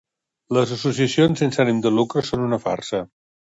Les associacions sense ànim de lucre són una farsa.